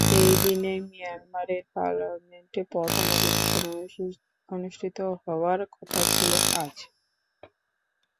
এই দিনে মিয়ানমারের পার্লামেন্টে প্রথম অধিবেশন অনুষ্ঠিত হওয়ার কথা ছিল আজ।